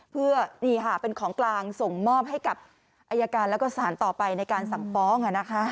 เพื่อนี่ค่ะเป็นของกลางส่งมอบให้กับอายการแล้วก็สารต่อไปในการสั่งฟ้อง